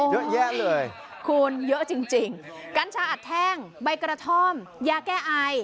เยอะแยะเลยคุณเยอะจริงกัญชาอัดแท่งใบกระท่อมยาแก้ไอ